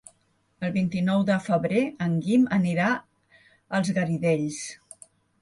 El vint-i-nou de febrer en Guim anirà als Garidells.